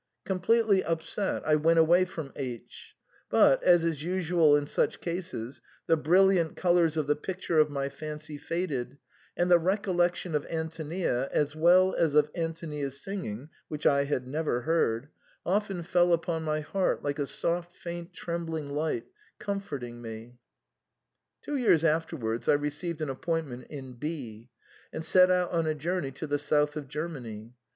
Completely upset, I went away from H ; but, as is usual in such cases, the brilliant colours of the picture of my fancy faded, and the rec ollection of Antonia, as well as of Antonia's singing (which I had never heard), often fell upon my heart like a soft faint trembling light, comforting me. Two years afterwards I received an appointment in B r, and set out on a journey to the south of Ger many.